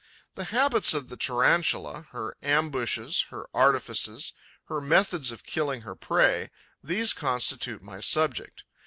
The habits of the Tarantula, her ambushes, her artifices, her methods of killing her prey: these constitute my subject.